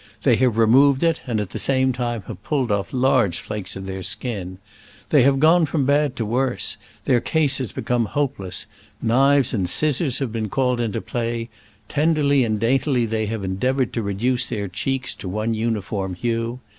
They have removed it, and at the same time have pulled off large flakes of their skin. They have gone from bad to worse — their case has be come hopeless — knives and scissors have been called into play: tenderly and daintily they have endeavored to reduce their cheeks to one uniform hue.